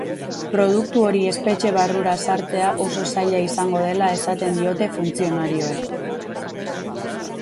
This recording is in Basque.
Produktu hori espetxe barrura sartzea oso zaila izango dela esaten diote funtzionarioek.